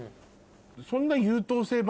そんな。